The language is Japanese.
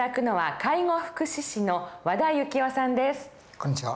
こんにちは。